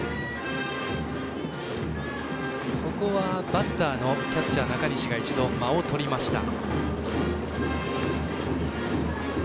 バッターのキャッチャー中西が一度、間をとりました。